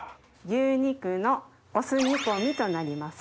牛肉のお酢煮込みとなります。